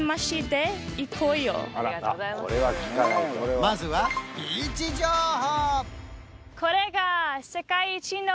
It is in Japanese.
まずはビーチ情報！